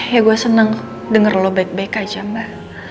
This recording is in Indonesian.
ya gue seneng denger lo baik baik aja mbak